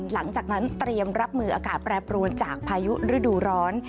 หลังจากนั้นเตรียมรับมืออากาศแปรปรวนจากพายุฤดูร้อน